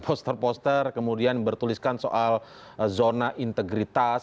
poster poster kemudian bertuliskan soal zona integritas